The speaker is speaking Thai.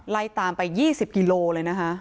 ไล่ตามไป๒๐กิโลเลยนะคะ